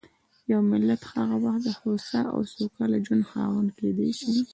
یو ملت هغه وخت د هوسا او سوکاله ژوند خاوند کېدای شي.